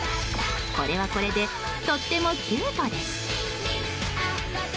これはこれでとってもキュートです。